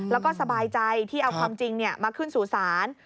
แล้วก็สบายใจที่เอาความจริงมาขึ้นสู่ศาล